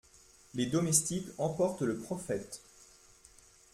Les domestiques emportent Le Prophète.